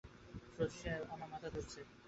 রশিদ সাহেব, আমার মাথা ধরেছে।